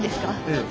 ええ。